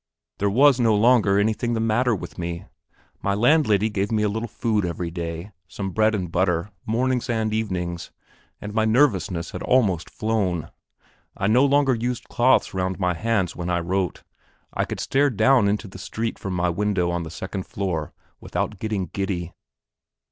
There was no longer anything the matter with me. My landlady gave me a little food every day, some bread and butter, mornings and evenings, and my nervousness had almost flown. I no longer used cloths round my hands when I wrote; and I could stare down into the street from my window on the second floor without getting giddy.